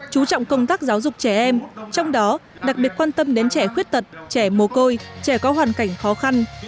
chú trọng công tác giáo dục trẻ em trong đó đặc biệt quan tâm đến trẻ khuyết tật trẻ mồ côi trẻ có hoàn cảnh khó khăn